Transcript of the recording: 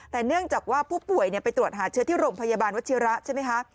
แต่เนื่องจากว่าผู้ป่วยไปตรวจหาเชื้อที่โรงพยาบาลวัชิระใช่ไหมคะ